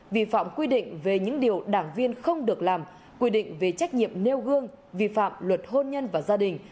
vi phạm quy định về những điều đảng viên không được làm quy định về trách nhiệm nêu gương vi phạm luật hôn nhân và gia đình